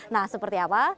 nah seperti apa